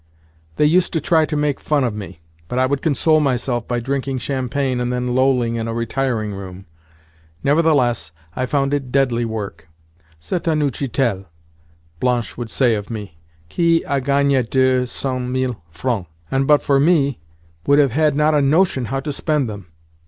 They used to try to make fun of me, but I would console myself by drinking champagne and then lolling in a retiring room. Nevertheless, I found it deadly work. "C'est un utchitel," Blanche would say of me, "qui a gagné deux cent mille francs, and but for me, would have had not a notion how to spend them.